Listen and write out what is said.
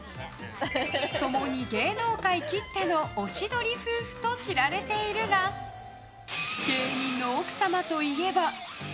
共に芸能界きってのおしどり夫婦と知られているが芸人の奥様といえば。